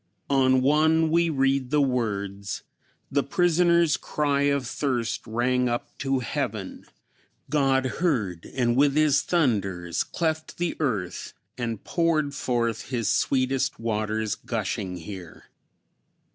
On one we read these words: "The prisoner's cry of thirst rang up to heaven. God heard and with his thunders cleft the earth, and poured forth his sweetest waters gushing here."